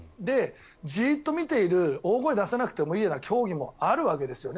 ジーッと見ている大声を出さなくてもいいような競技もあるわけですよね。